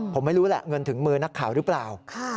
ผมไม่รู้แหละเงินถึงมือนักข่าวหรือเปล่า